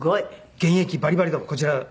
現役バリバリのこちら。